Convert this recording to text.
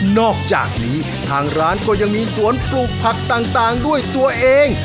นอกจากนี้ทางร้านก็ยังมีสวนปลูกผักต่างด้วยตัวเอง